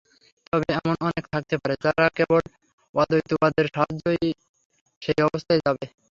তবে এমন অনেকে থাকতে পারে, যারা কেবল অদ্বৈতবাদের সাহায্যেই সেই অবস্থায় যাবে।